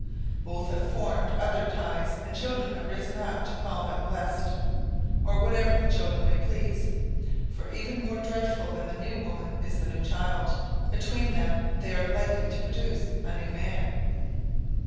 Both have formed other ties and children have risen up to call them blessed, or whatever the children may please, for even more dreadful than the new woman is the new child. Between them, they are likely to produce a new man.